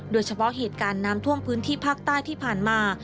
โดยเฉพาะเหตุการณ์น้ำท่วมพื้นที่ภาคใต้ที่ผ่านมา